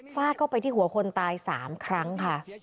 เข้าไปที่หัวคนตาย๓ครั้งค่ะ